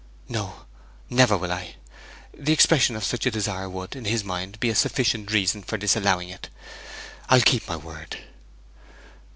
'No; never will I. The expression of such a desire would, in his mind, be a sufficient reason for disallowing it. I'll keep my word.'